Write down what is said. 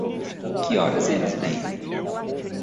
Que horas eles vêm?